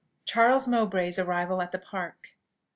CHARLES MOWBRAY'S ARRIVAL AT THE PARK.